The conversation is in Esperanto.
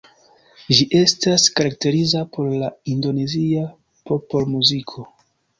Ĝi estas karakteriza por la indonezia popolmuziko.